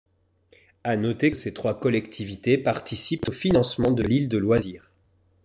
À noter que ces trois collectivités participent au financement de l'Île de loisirs.